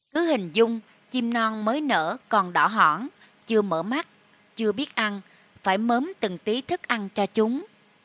cứ hình dung chim non mới nở còn đỏ hỏn chưa mở mắt chưa biết ăn phải mớm từng tí thức ăn cho chúng